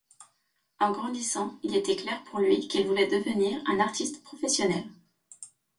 En grandissant, il était clair pour lui qu'il voulait devenir un artiste professionnel.